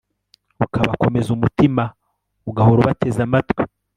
ukabakomeza umutima, ugahora ubateze amatwi